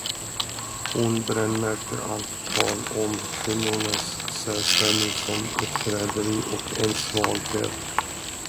Hon brännmärkte allt tal om kvinnornas särställning som ett förräderi och en svaghet.